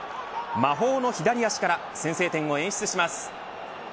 魔法の左足から先制点を演出します。